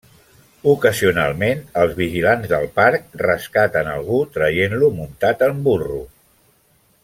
Ocasionalment, els vigilants del parc rescaten algú traient-lo muntat en burro.